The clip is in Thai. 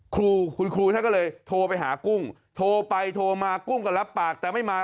ครูคุณครูท่านก็เลยโทรไปหากุ้งโทรไปโทรมากุ้งก็รับปากแต่ไม่มา